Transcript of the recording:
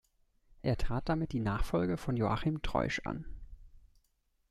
Er trat damit die Nachfolge von Joachim Treusch an.